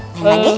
mau mau lagi